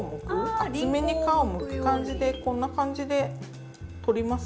厚めに皮をむく感じでこんな感じで取ります。